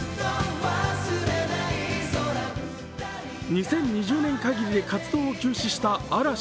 ２０２０年限りで活動を中止した嵐。